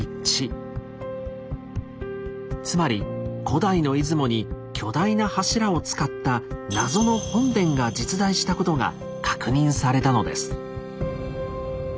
つまり古代の出雲に巨大な柱を使った「謎の本殿」が実在したことが確認されたのです。